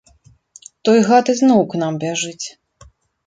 Той гад ізноў к нам бяжыць.